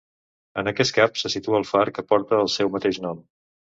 En aquest cap se situa el far que porta el seu mateix nom.